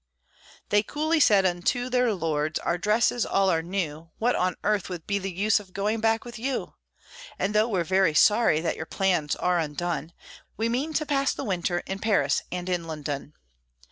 They coolly said unto their lords, "Our dresses all are new; What on earth would be the use of going back with you? And though we're very sorry that your plans are undone, We mean to pass the winter in Paris and in London.